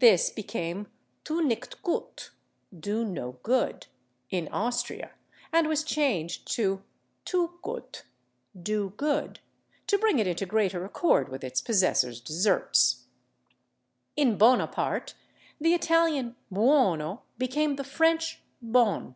This became /Thunichgut/ (=/do no good/) in Austria, and was changed to /Thugut/ (=/do good/) to bring it into greater accord with its possessor's deserts. In [Pg273] /Bonaparte/ the Italian /buon(o)/ became the French /bon